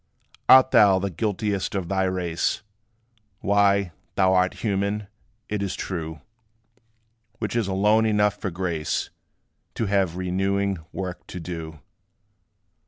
Art thou the guiltiest of thy race? Why, thou art human, it is true; Which is alone enough for grace To have renewing work to do.